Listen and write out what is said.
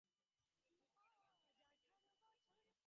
আমি বললুম, কাঁটাগাছ, যার আবাদে কোনো খরচ নেই।